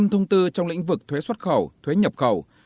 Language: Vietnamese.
năm thông tư trong lĩnh vực thuế xuất khẩu thuế nhập khẩu